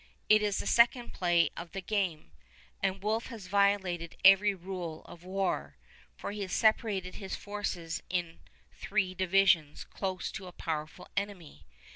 It is the second play of the game, and Wolfe has violated every rule of war, for he has separated his forces in three divisions close to a powerful enemy.